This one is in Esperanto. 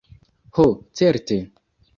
Ho, certe!